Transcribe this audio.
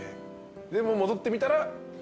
でも戻ってみたら？